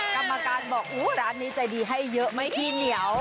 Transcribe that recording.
กรรมการบอกร้านนี้ใจดีให้เยอะไม่ขี้เหนียว